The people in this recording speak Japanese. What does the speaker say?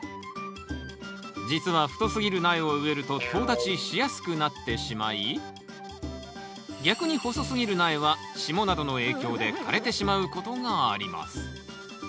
実は太すぎる苗を植えるととう立ちしやすくなってしまい逆に細すぎる苗は霜などの影響で枯れてしまうことがあります。